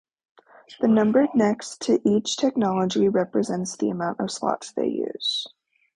The number next to each technology represents the amount of slots they use.